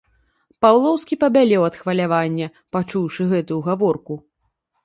Паўлоўскі пабялеў ад хвалявання, пачуўшы гэтую гаворку.